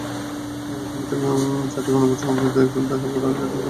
কিন্তু সাম্প্রতিক চারটি গণভোট সংশ্লিষ্ট দেশগুলোতে সংকট আরও জটিল করে দিয়েছে।